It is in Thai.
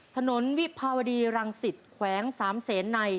ถนนวิภาวดีรังศิษย์แขวง๓เสนใน